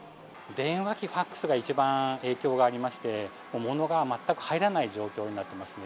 電話機、ファックスが一番影響がありまして、モノが全く入らない状況になってますね。